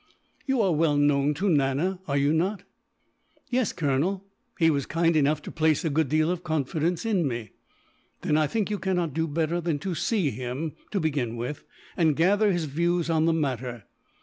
"You are well known to Nana, are you not?" "Yes, Colonel, he was kind enough to place a good deal of confidence in me." "Then I think you cannot do better than see him, to begin with, and gather his views on the matter.